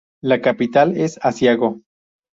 La capital es Asiago.